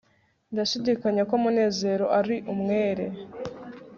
ndashidikanya ko munezero ari umwere